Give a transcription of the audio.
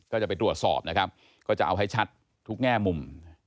ก็จะไปตรวจสอบนะครับก็จะเอาให้ชัดทุกแง่มุม